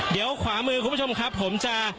เดี๋ยวขวามือคุณผู้ชมครับผมจะ